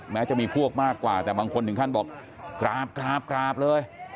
แม้จะมีพวกมากกว่าแต่บางคนถึงขั้นบอกกราบกราบเลย